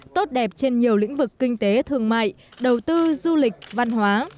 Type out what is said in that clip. tốt đẹp trên nhiều lĩnh vực kinh tế thương mại đầu tư du lịch văn hóa